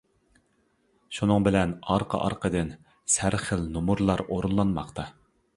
شۇنىڭ بىلەن، ئارقا-ئارقىدىن سەرخىل نومۇرلار ئورۇنلانماقتا.